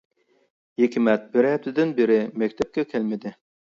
ھېكمەت بىر ھەپتىدىن بېرى مەكتەپكە كەلمىدى.